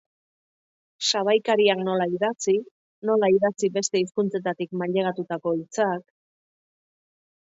Sabaikariak nola idatzi, nola idatzi beste hizkuntzetatik mailegatutako hitzak...